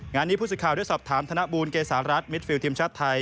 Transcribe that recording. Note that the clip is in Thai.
งานนี้พูดสุดข่าวด้วยสอบถามธนบุญเกษารัฐมิตฟิลทีมชัดไทย